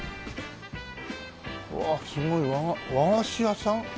うわっすごい和菓子屋さん？